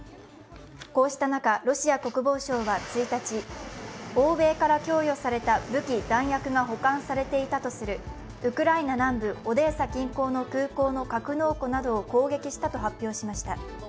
こうした中ロシア国防省は１日、欧米から供与された武器、弾薬が保管されていたとされるウクライナ南部オデーサ近郊の空港の格納庫などを攻撃したと発表しました。